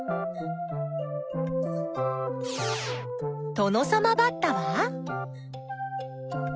トノサマバッタは？